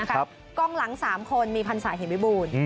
กล้องหลัง๓คนมีพันศาเหมวิบูรณ์